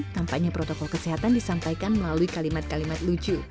tampaknya protokol kesehatan disampaikan melalui kalimat kalimat lucu